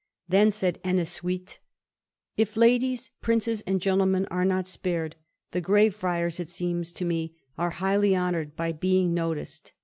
Then said Ennasuite "If, ladies, princes and gentlemen are not spared, the Grey Friars, it seems to me, are highly honoured by being noticed.